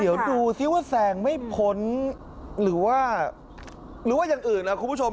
เดี๋ยวดูสิว่าแซงไม่พ้นหรือว่าอย่างอื่นนะคุณผู้ชม